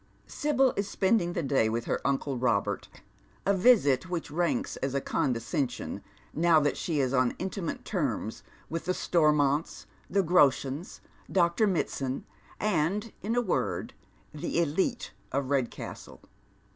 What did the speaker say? Sibyl is spending the day with her uncle Bobert, a visit which ranks as a condescension now that she is on iniimate terms with the Stormonts, the Groshens, Dr. Mitsand, and, in a word, tho e'litfl, of Redcastle.